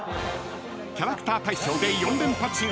［キャラクター大賞で４連覇中］